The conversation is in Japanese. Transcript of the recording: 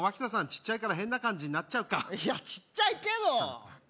ちっちゃいから変な感じになっちゃうかいやちっちゃいけど！